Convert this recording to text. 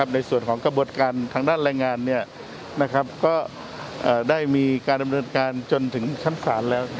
ในส่วนของกระบวนการทางด้านแรงงานก็ได้มีการดำเนินการจนถึงชั้นศาลแล้ว